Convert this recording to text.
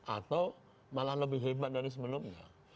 atau malah lebih hebat dari sebelumnya